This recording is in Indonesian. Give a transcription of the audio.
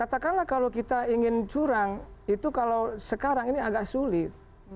katakanlah kalau kita ingin curang itu kalau sekarang ini agak sulit